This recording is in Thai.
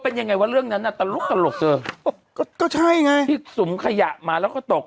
เป็นยังไงวะเรื่องนั้นน่ะตลกตลกเธอก็ก็ใช่ไงที่สุมขยะมาแล้วก็ตก